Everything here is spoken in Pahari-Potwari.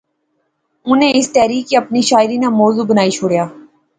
انی اس تحریک کی اپنی شاعری ناں موضوع بنائی شوڑیا